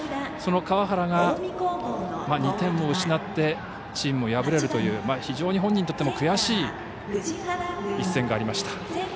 その川原が、２点を失ってチームも敗れるという非常に本人にとっても悔しい一戦がありました。